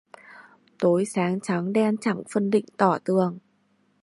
Tối sáng trắng đen chẳng phân định tỏ tường